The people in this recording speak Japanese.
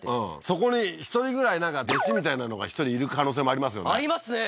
そこに１人ぐらいなんか弟子みたいなのが１人いる可能性もありますよねありますね！